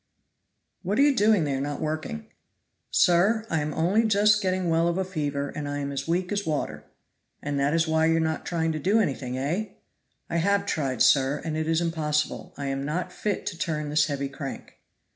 "What are you doing there not working?" "Sir, I am only just getting well of a fever, and I am as weak as water." "And that is why you are not trying to do anything, eh?" "I have tried, sir, and it is impossible. I am not fit to turn this heavy crank."